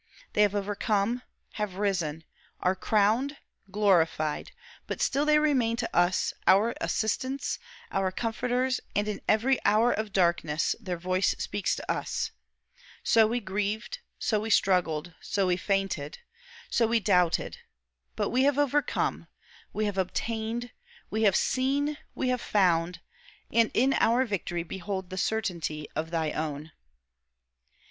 They have overcome have risen are crowned, glorified, but still they remain to us, our assistants, our comforters, and in every hour of darkness their voice speaks to us: "So we grieved, so we struggled, so we fainted, so we doubted; but we have overcome, we have obtained, we have seen, we have found and in our victory behold the certainty of thy own."